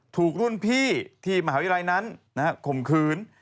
ถูกรุ่นพี่ที่มหาวิทยาลัยนั้นข่มขืน